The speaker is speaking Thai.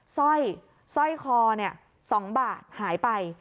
สร้อยสร้อยคอ๒บาทหายไป